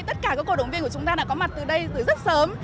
tất cả các cổ động viên của chúng ta đã có mặt từ đây từ rất sớm